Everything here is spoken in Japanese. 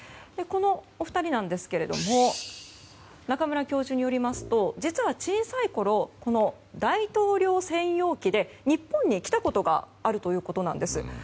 このお二人ですが中村教授によりますと実は、小さいころ大統領専用機で日本に来たことがあるということなんです。